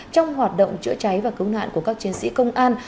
trong hoạt động chữa cháy và cứu nạn của các chiến sĩ công an